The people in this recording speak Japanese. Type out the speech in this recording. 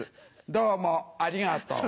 どうもありがとう」。